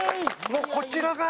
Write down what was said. こちらが。